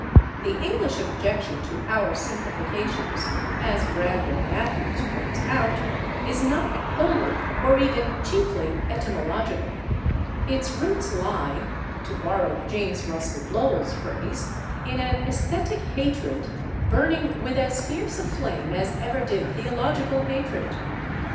The English objection to our simplifications, as Brander Matthews points out, is not wholly or even chiefly etymological; its roots lie, to borrow James Russell Lowell's phrase, in an esthetic hatred burning "with as fierce a flame as ever did theological hatred."